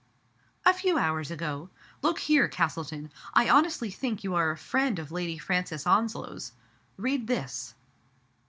" A few hours ago. Look here, Castleton. I honestly think you are a friend of Lady Francis Onslow's — read this."